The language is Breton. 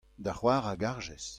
da c'hoar a garjes.